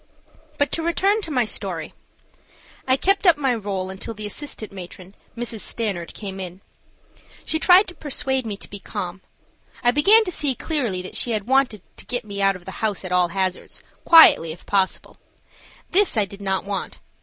BUT to return to my story. I kept up my role until the assistant matron, Mrs. Stanard, came in. She tried to persuade me to be calm. I began to see clearly that she wanted to get me out of the house at all hazards, quietly if possible. This I did not want.